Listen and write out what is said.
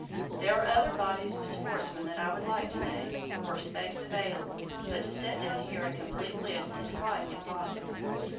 There are other bodies of sportsmen that I would like to name, were space available, but to set down here a complete list is quite impossible.